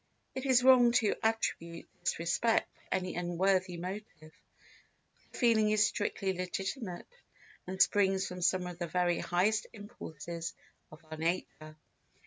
It is wrong to attribute this respect to any unworthy motive, for the feeling is strictly legitimate and springs from some of the very highest impulses of our nature.